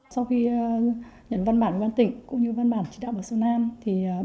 sau khi nhận văn bản của bảo hiểm xã hội tỉnh cũng như văn bản chỉ đạo bảo hiểm xã hội nam